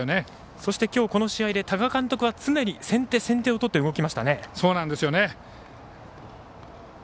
そして今日、この試合で多賀監督は常に先手先手を取って動きましたね。